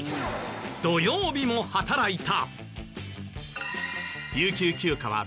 土曜日も働いた。